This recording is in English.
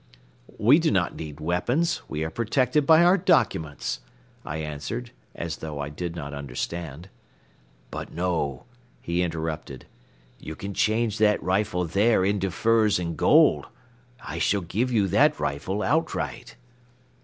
"We do not need weapons. We are protected by our documents," I answered, as though I did not understand. "But no," he interrupted, "you can change that rifle there into furs and gold. I shall give you that rifle outright."